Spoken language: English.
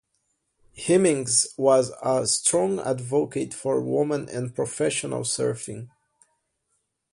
Hemmings was a strong advocate for women in professional surfing.